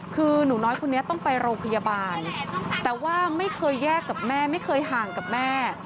คือหนูน้อยคนนี้ต้องไปโรงพยาบาลแต่ว่าไม่เคยแยกกับแม่ไม่เคยห่างกับแม่